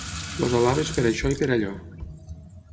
Els alabes per això i per allò.